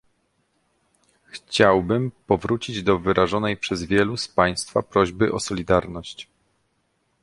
Chciałbym powrócić do wyrażonej przez wielu z państwa prośby o solidarność